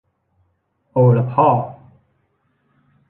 โอละพ่อ